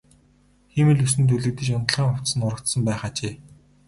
Хиймэл үс нь түлэгдэж унтлагын хувцас нь урагдсан байх ажээ.